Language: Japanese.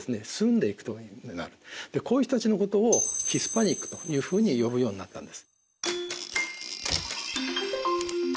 でこういう人たちのことをヒスパニックというふうに呼ぶようになったんです。